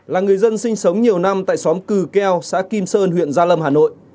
là người dân sinh sống nhiều năm tại xóm cừ keo xã kim sơn huyện gia lâm hà nội